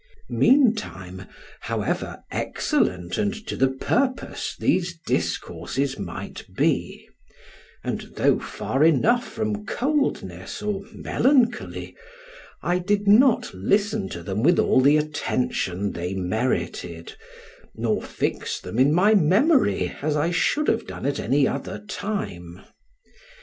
Meantime, however excellent and to the purpose these discourses might be, and though far enough from coldness or melancholy, I did not listen to them with all the attention they merited, nor fix them in my memory as I should have done at any other time.